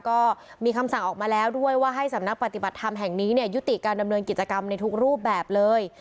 ก็มีคำสั่งออกมาแล้วด้วยว่าให้สำนักปฏิบัติธรรมแห่งนี้เนี่ยยุติการดำเนินกิจกรรมในทุกรูปแบบเลย